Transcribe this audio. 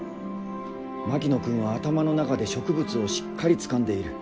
槙野君は頭の中で植物をしっかりつかんでいる。